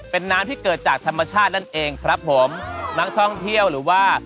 เป็นน้ำที่เกิดจากธรรมชาตินั่นเองครับผมนักท่องเที่ยวหรือว่า